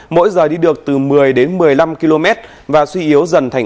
mỗi giờ đi được từ một mươi đến một mươi năm km và suy yếu dần thành